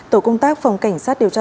tổ công tác phòng cảnh sát điều tra